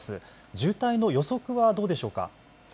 渋滞の予測はどうでしょうか。